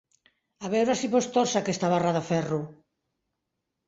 A veure si pots tòrcer aquesta barra de ferro.